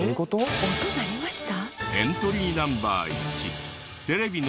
音鳴りました？